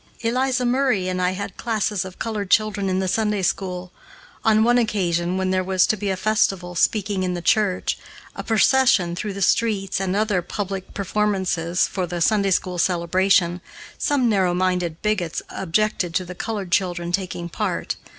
Eliza Murray and I had classes of colored children in the Sunday school. On one occasion, when there was to be a festival, speaking in the church, a procession through the streets, and other public performances for the Sunday school celebration, some narrow minded bigots objected to the colored children taking part.